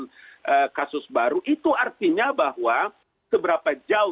dengan kasus baru itu artinya bahwa seberapa jauh